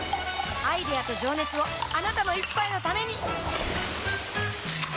アイデアと情熱をあなたの一杯のためにプシュッ！